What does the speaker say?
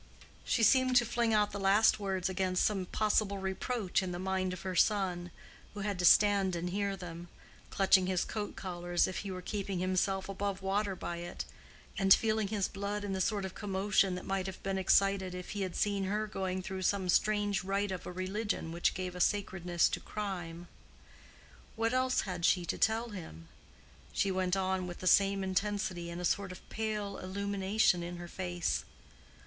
She seemed to fling out the last words against some possible reproach in the mind of her son, who had to stand and hear them—clutching his coat collar as if he were keeping himself above water by it, and feeling his blood in the sort of commotion that might have been excited if he had seen her going through some strange rite of a religion which gave a sacredness to crime. What else had she to tell him? She went on with the same intensity and a sort of pale illumination in her face.